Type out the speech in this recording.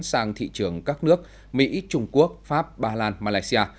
sang thị trường các nước mỹ trung quốc pháp bà lan malaysia